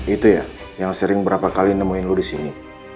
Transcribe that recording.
itu ya yang sering berapa kali nemuin lo disini